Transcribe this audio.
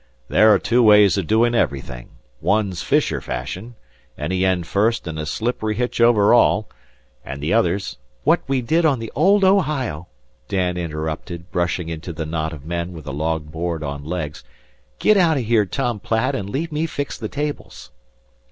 "There are two ways o' doin' everything. One's fisher fashion any end first an' a slippery hitch over all an' the other's " "What we did on the old Ohio!" Dan interrupted, brushing into the knot of men with a long board on legs. "Get out o' here, Tom Platt, an' leave me fix the tables."